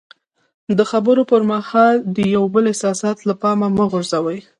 د خبرو پر مهال د یو بل احساسات له پامه مه غورځوئ.